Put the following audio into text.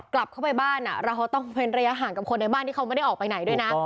กลับเข้าไปบ้านเราเขาต้องเว้นระยะห่างกับคนในบ้านที่เขาไม่ได้ออกไปไหนด้วยนะ